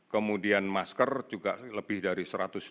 kemudian masker juga lebih dari satu ratus lima puluh